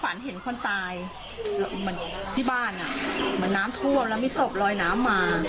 ฝันเห็นคนตายเหมือนที่บ้านอ่ะเหมือนน้ำท่วมแล้วมีศพลอยน้ำมา